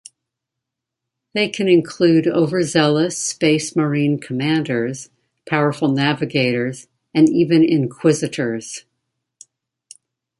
They can include overzealous Space Marine Commanders, powerful navigators and even Inquisitors.